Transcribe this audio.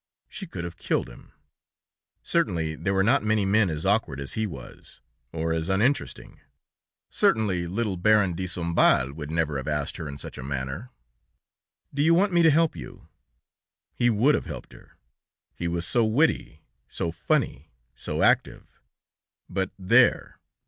she could have killed him. Certainly there were not many men as awkward as he was, or as uninteresting. Certainly, little Baron de Isombal would never have asked her in such a manner: "Do you want me to help you?" He would have helped her, he was so witty, so funny, so active. But there!